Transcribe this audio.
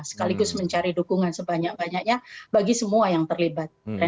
sekaligus mencari dukungan sebanyak banyaknya bagi semua yang terlibat